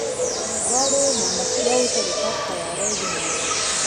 دواړو مېلمستیاوو ته د تګ تیاری ونیو.